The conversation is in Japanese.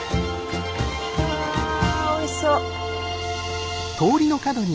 へえおいしそう！